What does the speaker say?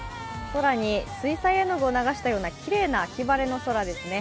空に水彩絵の具を流したようなきれいな秋晴れの空ですね。